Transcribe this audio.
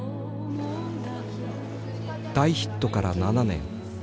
大ヒットから７年。